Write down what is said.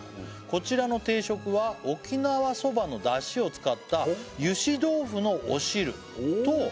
こちらの定食は沖縄そばのだしを使ったゆし豆腐のお汁とおお！